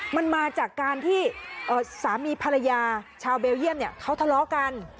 มันมาจากการที่สามีภรรยาชาวเบลเยี่ยมเขาทะเลาะกัน